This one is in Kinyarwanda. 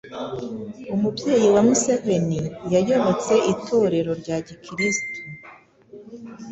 umubyeyi wa Museveni yayobotse itorero rya gikirisitu